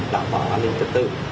đảm bảo an ninh chất tự